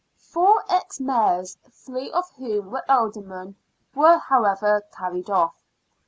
Four ex Mayors, three of whom were Aldermen, were, however, carried off.